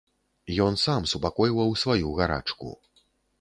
Ён сам супакойваў сваю гарачку.